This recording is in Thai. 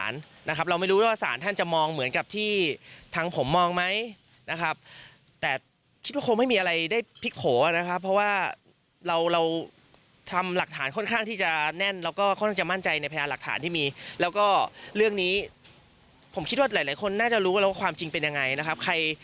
เรื่องนี้ผมคิดว่าหลายคนน่าจะรู้กันแล้วว่าความจริงเป็นยังไง